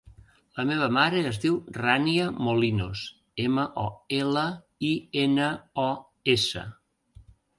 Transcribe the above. La meva mare es diu Rània Molinos: ema, o, ela, i, ena, o, essa.